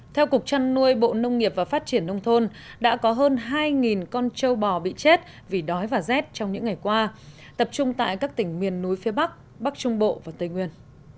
theo cục trăn nuôi bộ nông nghiệp và phát triển nông thôn đã có hơn hai con châu bò bị chết vì đói và rét trong những ngày qua tập trung tại các tỉnh miền núi phía bắc bắc trung bộ và tây nguyên